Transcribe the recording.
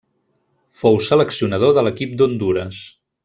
Fou seleccionador de l'equip d'Hondures.